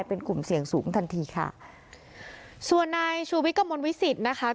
เป็นกลุ่มเสี่ยงสูงทันทีค่ะส่วนนายชูวิทย์กระมวลวิสิตนะคะ